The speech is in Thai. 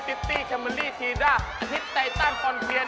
ซิตตี้แคมเมอรี่ทีร่าอาทิตย์ไตต้านฟอนเฟียร์